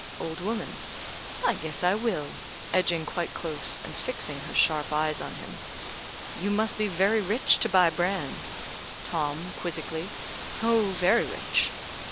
Old woman: "I guess I will." (Edging quite close, and fixing her sharp eyes on him.) "You must be very rich to buy bran." Tom (quizzically): "Oh, very rich."